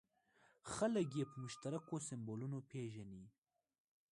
خلک یې په مشترکو سیمبولونو پېژني.